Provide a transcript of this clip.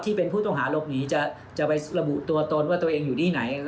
ที่เป็นผู้ต้องหาหลบหนีจะไประบุตัวตนว่าตัวเองอยู่ที่ไหน